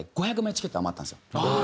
チケット余ったんですよ。